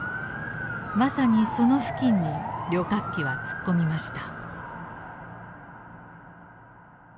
まさにその付近に旅客機は突っ込みました。